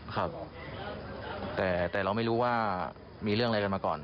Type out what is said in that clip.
ครับแต่เราไม่รู้ว่ามีเรื่องอะไรกันมาก่อน